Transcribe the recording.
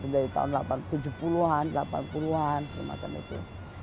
dari tahun tujuh puluh an delapan puluh an segala macam itu